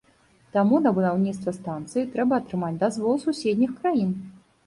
Таму на будаўніцтва станцыі трэба атрымаць дазвол суседніх краін.